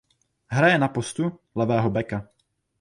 Hraje na postu levého beka.